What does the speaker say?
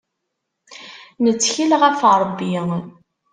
Nettkel ɣef Rebbi.